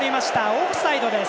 オフサイドです。